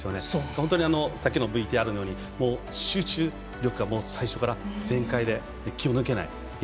本当に、さっきのＶＴＲのように集中力が最初から全開で気を抜けない。